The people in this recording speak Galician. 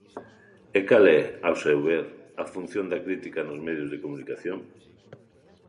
E cal é, ao seu ver, a función da crítica nos medios de comunicación?